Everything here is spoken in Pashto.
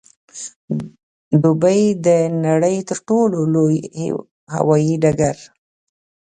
دوبۍ د نړۍ د تر ټولو لوی هوايي ډګر